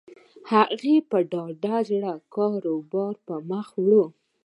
هغوی په ډاډه زړه کاروبار پر مخ وړي.